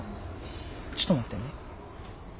ちょっと待ってね。